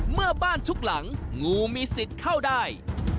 เมื่อบ้านทุกหลังงูมีสิทธิ์เข้าได้